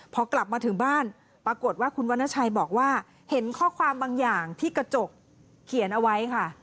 พอกลับมาถึงบ้านปรากฏว่าคุณวรรณชัยบอกว่าเห็นข้อความบางอย่างที่กระจกเขียนเอาไว้ค่ะ